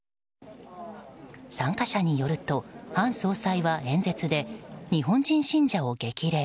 参加者によると、韓総裁は演説で日本人信者を激励。